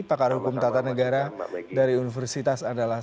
pakar hukum tata negara dari universitas andalas